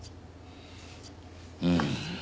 うん。